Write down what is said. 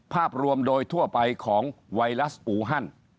ภาพรวมโดยทั่วไปของไวรัสอูฮัน